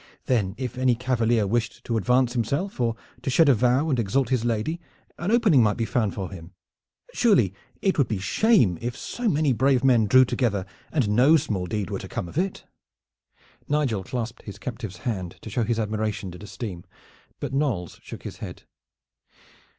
Then if any cavalier wished to advance himself or to shed a vow and exalt his lady, an opening might be found for him. Surely it would be shame if so many brave men drew together and no small deed were to come of it." Nigel clasped his captive's hand to show his admiration and esteem, but Knolles shook his head.